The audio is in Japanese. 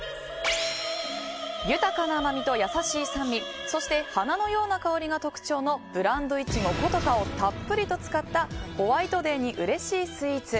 豊かな甘みと優しい酸味そして花のような香りが特徴のブランドイチゴ古都華をたっぷりと使ったホワイトデーにうれしいスイーツ。